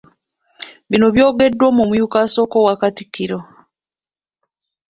Bino byogeddwa omumyuka asooka owa Katikkiro.